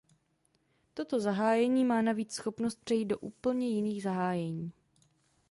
Toto zahájení má navíc schopnost přejít do úplně jiných zahájení.